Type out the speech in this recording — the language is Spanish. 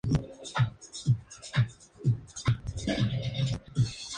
Realizó estudios primarios en Zapatoca y secundarios en el Colegio Universitario del Socorro.